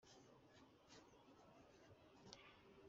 Akitwa ingongo